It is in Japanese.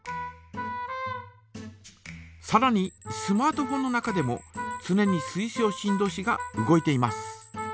さらにスマートフォンの中でもつねに水晶振動子が動いています。